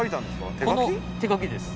手書きです。